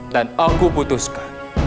dan aku putuskan